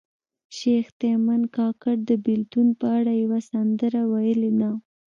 شیخ تیمن کاکړ د بیلتون په اړه یوه سندره ویلې ده